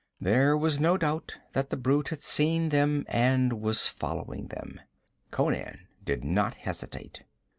There was no doubt that the brute had seen them and was following them. Conan did not hesitate.